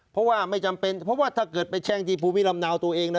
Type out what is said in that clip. เพราะว่าไม่จำเป็นเพราะว่าถ้าเกิดไปแช่งที่ภูมิลำเนาตัวเองนะ